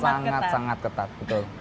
sangat sangat ketat betul